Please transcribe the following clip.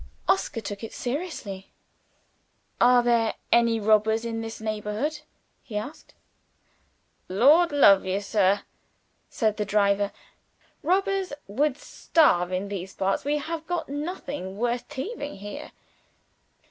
Oscar took it seriously. "Are there any robbers in this neighborhood?" he asked. "Lord love you, sir!" said the driver, "robbers would starve in these parts; we have got nothing worth thieving here."